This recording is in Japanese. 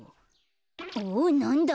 おっなんだ？